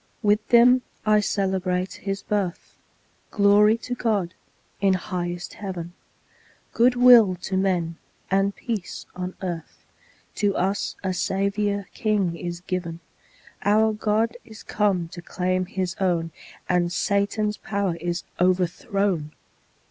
With them I celebrate His birth Glory to God, in highest Heaven, Good will to men, and peace on earth, To us a Saviour king is given; Our God is come to claim His own, And Satan's power is overthrown!